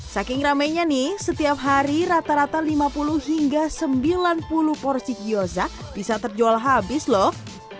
saking ramainya nih setiap hari rata rata lima puluh hingga sembilan puluh porsi kioza bisa terjual habis loh